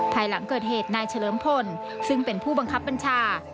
ภายหลังเกิดเหตุนายเฉลิมพลซึ่งเป็นผู้บังคับบัญชา